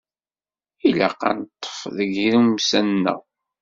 Ilaq ad neṭṭef deg irumsa-nneɣ.